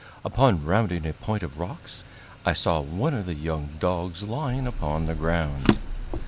Upon rounding a point of rocks, I saw one of the young dogs lying upon the ground.